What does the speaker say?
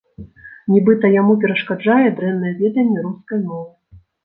Нібыта, яму перашкаджае дрэннае веданне рускай мовы.